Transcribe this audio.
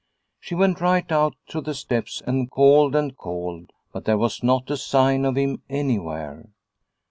She went right out to the steps and called and called, but there was not a sign of him any where.